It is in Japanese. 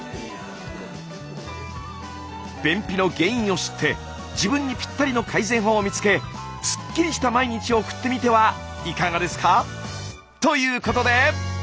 便秘の原因を知って自分にぴったりの改善法を見つけすっきりした毎日を送ってみてはいかがですか？ということで！